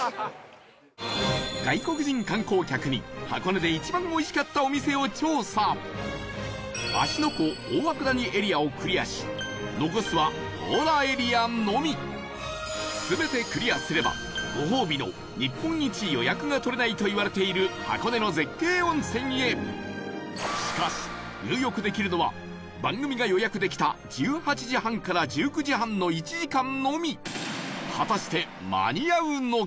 外国人観光客に、箱根で一番おいしかったお店を調査芦ノ湖、大涌谷エリアをクリアし残すは、強羅エリアのみ全てクリアすれば、ご褒美の日本一、予約が取れないといわれている箱根の絶景温泉へしかし、入浴できるのは番組が予約できた１８時半から１９時半の１時間のみ果たして、間に合うのか？